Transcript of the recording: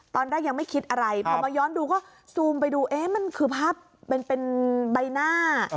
ตอนแรกยังไม่คิดอะไรพอมาย้อนดูก็ซูมไปดูเอ๊ะมันคือภาพเป็นใบหน้า